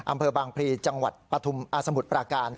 อำเภอบางพลีจังหวัดประธุมอสมุทรประการ